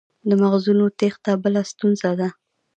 د مغزونو تیښته بله ستونزه ده.